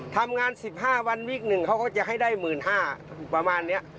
ทำงาน๑๕วันวิกหนึ่งเขาก็จะให้ได้๑๕๐๐ประมาณนี้